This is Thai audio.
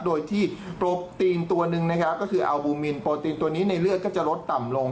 โดยที่โปรตีนตัวหนึ่งนะครับก็คืออัลบูมินโปรตีนตัวนี้ในเลือดก็จะลดต่ำลง